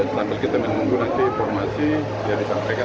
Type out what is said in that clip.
sambil kita menunggu nanti informasi yang disampaikan